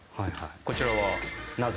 こちらはなぜ？